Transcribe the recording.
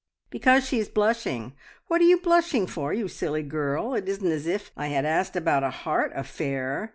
"Because she is blushing. What are you blushing for, you silly girl? It isn't as if I had asked about a heart affair.